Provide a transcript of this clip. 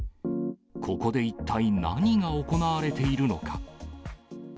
ここで一体何が行われているのか。